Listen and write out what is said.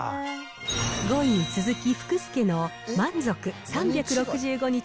５位に続き、福助の満足３６５日